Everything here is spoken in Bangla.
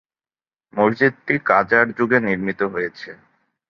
মসজিদটি কাজার যুগে নির্মিত হয়েছে।